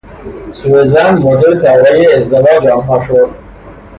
سو ظن موجب تباهی ازدواج آنها شد.